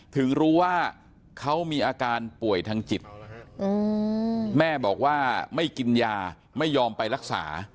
ถึงรู้ว่าเขามีอาการป่วยทางจิตแม่บอกว่าไม่กินยาไม่ยอมไปรักษา